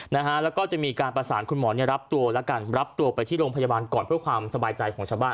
นะฮะแล้วก็จะมีการประสานคุณหมอเนี่ยรับตัวแล้วกันรับตัวไปที่โรงพยาบาลก่อนเพื่อความสบายใจของชาวบ้าน